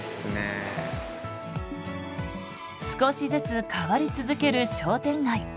少しずつ変わり続ける商店街。